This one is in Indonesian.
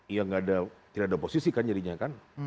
iya gak ada tidak ada oposisi kan jadinya kan